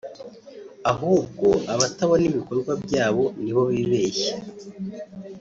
ahubwo abatabona ibikorwa byayo nibo bibeshya”